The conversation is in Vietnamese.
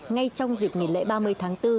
ngay trong dịp nghỉ lễ ba mươi tháng bốn